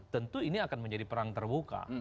tentu ini akan menjadi perang terbuka